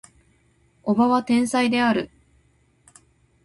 叔母は天才である